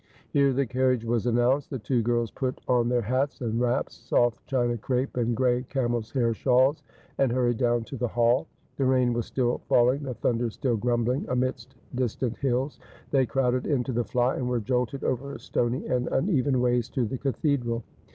Here the carriage was announced. The two girls put on their hats and wraps, soft China crape and gray camel's hair shawls, and hurried down to the hall. 'The rain was still falling, the thunder still grumbling amidst distant hills. They crowded into the fly, and were jolted over stony and uneven ways to the cathedral.